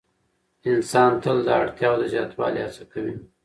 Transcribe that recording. انسان تل د اړتیاوو د زیاتوالي هڅه کوي.